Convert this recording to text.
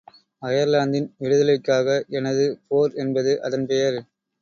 அயர்லாந்தின் விடுதலைக்காக எனது போர் என்பது அதன் பெயர்.